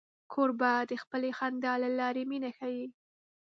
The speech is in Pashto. کوربه د خپلې خندا له لارې مینه ښيي.